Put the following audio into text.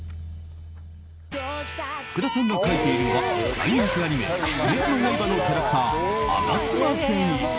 福田さんが描いているのは大人気アニメ「鬼滅の刃」のキャラクター我妻善逸。